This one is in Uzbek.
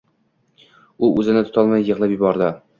U o`zini tutolmay yig`lab yubordi